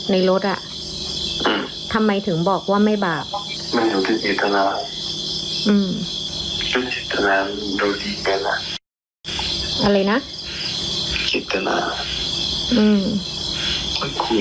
ในรถอ่ะอืมทำไมถึงบอกว่าไม่บาปไม่ถึงจิตตนา